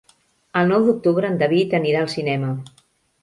El nou d'octubre en David anirà al cinema.